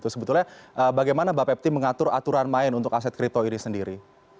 sebetulnya bagaimana bapepti mengatur aturan main untuk aset kripto ini sendiri